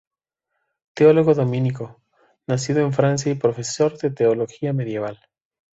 Teólogo dominico, nacido en Francia y profesor de teología medieval.